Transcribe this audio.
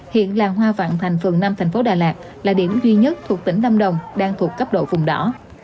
hiện làng hoa vạn thành phường năm thành phố đà lạt là điểm duy nhất thuộc tỉnh lâm đồng đang thuộc cấp độ vùng đỏ